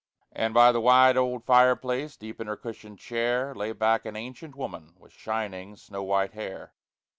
And by the wide old fire place, Deep in her cushioned chair, Lay back an ancient woman, With shining snow white hair.